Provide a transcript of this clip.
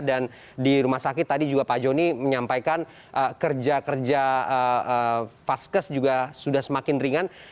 dan di rumah sakit tadi juga pak joni menyampaikan kerja kerja vaskes juga sudah semakin ringan